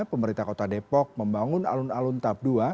pemerintah kota depok membangun alun alun tap dua